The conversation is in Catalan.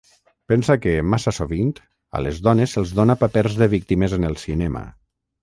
Pensa que, massa sovint, a les dones se'ls dona papers de víctimes en el cinema.